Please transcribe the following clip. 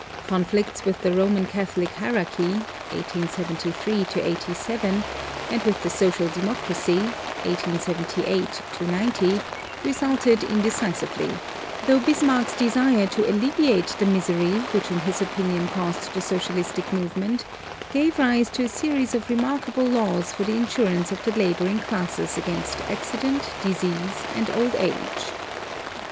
Conflicts with the Roman Catholic hierarchy (1873 87), and with the Social Democracy (1878 90) resulted indecisively; though Bismarck's desire to alleviate the misery which in his opinion caused the socialistic movement gave rise to a series of remarkable laws for the insurance of the laboring classes against accident, disease, and old age.